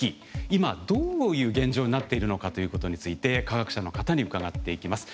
今どういう現状になっているのかということについて科学者の方に伺っていきます。